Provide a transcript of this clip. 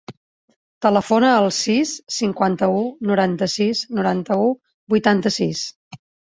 Telefona al sis, cinquanta-u, noranta-sis, noranta-u, vuitanta-sis.